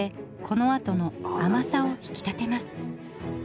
このあとのあまさを引き立てます。